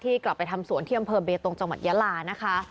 กลับไปทำสวนที่อำเภอเบตงจังหวัดยาลานะคะ